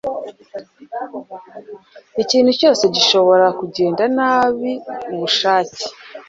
ikintu cyose gishobora kugenda nabi ubushake